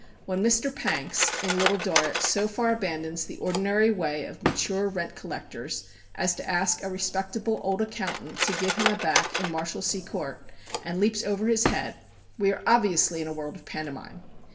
When Mr. Pancks, in "Little Dorrit," so far abandons the ordinary ways of mature rent collectors as to ask a respectable old accountant to "give him a back," in the Marshalsea court, and leaps over his head, we are obviously in a world of pantomime.